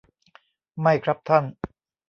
ไม่ครับท่าน